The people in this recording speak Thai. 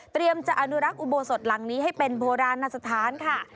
จะอนุรักษ์อุโบสถหลังนี้ให้เป็นโบราณสถานค่ะ